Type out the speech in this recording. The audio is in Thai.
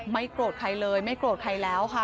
โกรธใครเลยไม่โกรธใครแล้วค่ะ